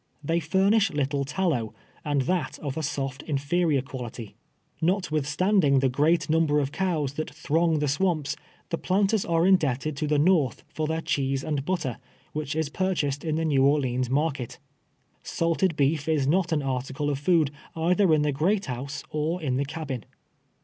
Tliey furnish little tallow, and that of a soft, inferior quality. Not 174 T\Vf:i.\ K YKARS A SLAVT!. "withstandin*:; the !j;reat niiniber of ci»ws that throng the swamps, the phinters arc indebted to the Xorth for their cheese and butter, which is purchased in the Kew Orleans market. Salted beef is not an article of food either in the great house, or in the cabin.